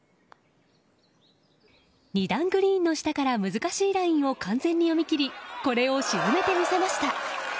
２段グリーンの下から難しいラインを完全に読みきりこれを沈めてみせました。